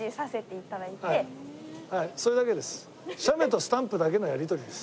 はいそれだけです。